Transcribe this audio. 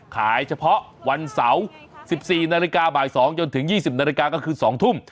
ขายเฉพาะวันเสาร์๑๔นบ๒จนถึง๒๐นก็คือ๒ทุ่ม